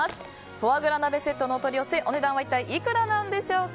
フォアグラ鍋セットのお取り寄せお値段は一体いくらなんでしょうか。